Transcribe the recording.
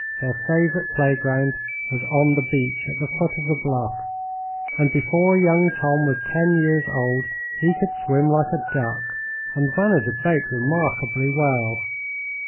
Their favorite playground was on the beach, at the foot of the bluff, and before young Tom was ten years old he could swim like a duck, and manage a boat remarkably well.